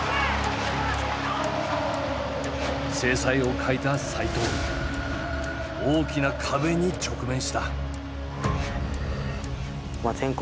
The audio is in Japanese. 精彩を欠いた齋藤大きな壁に直面した。